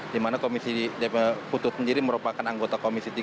di mana komisi putu sendiri merupakan anggota komisi tiga